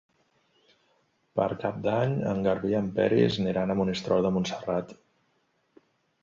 Per Cap d'Any en Garbí i en Peris aniran a Monistrol de Montserrat.